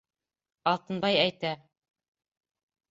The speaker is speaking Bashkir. — Алтынбай әйтә.